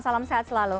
salam sehat selalu